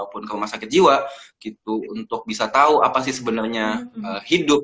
maksudnya kalau misalnya kita di rumah sakit jiwa gitu untuk bisa tau apa sih sebenarnya hidup